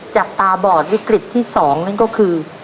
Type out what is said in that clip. ตาบอดวิกฤตที่๒นั่นก็คือ